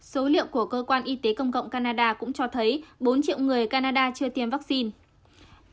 số liệu của cơ quan y tế công cộng canada cũng cho thấy bốn triệu người canada chưa tiêm vaccine